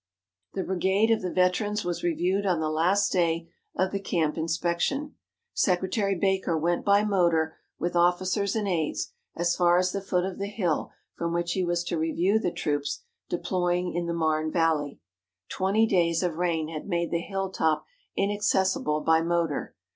The brigade of the veterans was reviewed on the last day of the camp inspection. Secretary Baker went by motor, with officers and aides, as far as the foot of the hill from which he was to review the troops deploying in the Marne valley. Twenty days of rain had made the hilltop inaccessible by motor.